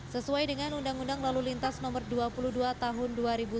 sesuai dengan undang undang lalu lintas nomor dua puluh dua tahun dua ribu dua